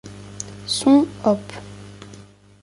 Son op.